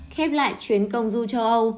khép lại chuyến công du châu âu